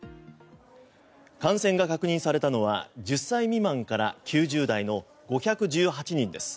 感染が確認されたのは１０歳未満から９０代の５１８人です。